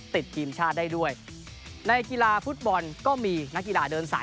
ติดทีมชาติได้ด้วยในกีฬาฟุตบอลก็มีนักกีฬาเดินสาย